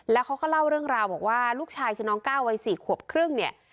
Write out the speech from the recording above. แล้วเขาก็เล่าเรื่องราวบอกว่าลูกชายคือน้องก้าววัย๔ขวบครึ่งเนี่ย